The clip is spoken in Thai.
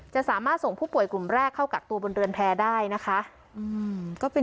จะสามารถส่งผู้ป่วยกลุ่มแรกเข้ากักตัวบนเรือนแพร่ได้นะคะ